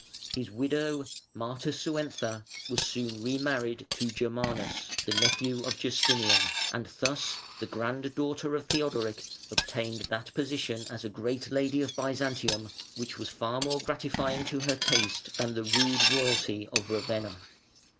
His widow, Matasuentha, was soon remarried to Germanus, the nephew of Justinian, and thus the granddaughter of Theodoric obtained that position as a great lady of Byzantium which was far more gratifying to her taste than the rude royalty of Ravenna.